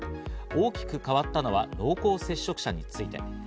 大きく変わったのは濃厚接触者について。